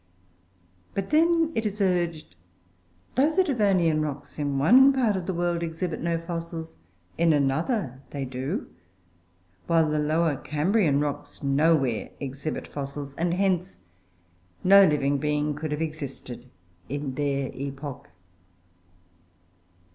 But then it is urged that, though the Devonian rocks in one part of the world exhibit no fossils, in another they do, while the lower Cambrian rocks nowhere exhibit fossils, and hence no living being could have existed in their epoch.